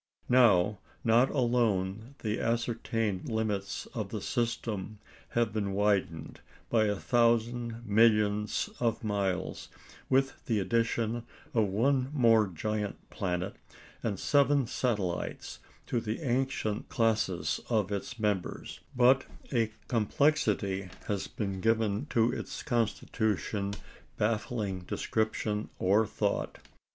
Now, not alone the ascertained limits of the system have been widened by a thousand millions of miles, with the addition of one more giant planet and seven satellites to the ancient classes of its members, but a complexity has been given to its constitution baffling description or thought.